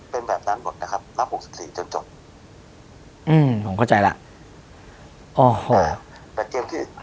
เป็นแบบนั้นหมดนะครับนับหกสิบสี่จนจบอืมผมเข้าใจแล้วอ๋อแต่เกมที่